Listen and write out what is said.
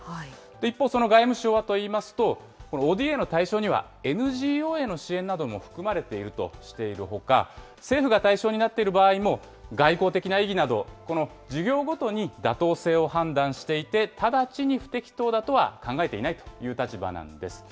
一方、その外務省はといいますと、このＯＤＡの対象には、ＮＧＯへの支援なども含まれているとしているほか、政府が対象になっている場合も、外交的な意義など、事業ごとに妥当性を判断していて、直ちに不適当だとは考えていないという立場なんです。